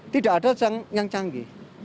tidak ada yang canggih